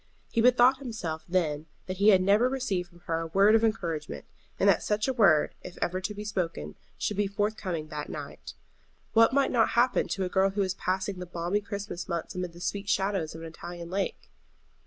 He bethought himself then that he had never received from her a word of encouragement, and that such word, if ever to be spoken, should be forthcoming that night. What might not happen to a girl who was passing the balmy Christmas months amid the sweet shadows of an Italian lake?